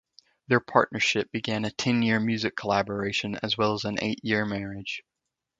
Their partnership began a ten-year musical collaboration as well as an eight-year marriage.